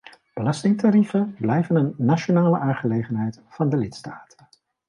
Belastingtarieven blijven een nationale aangelegenheid van de lidstaten.